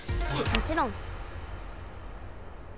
もちろん。